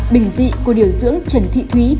bình dị của điều dưỡng trần thị thúy